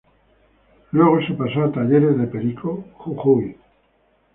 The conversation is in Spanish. Luego su paso a Talleres de Perico, Jujuy.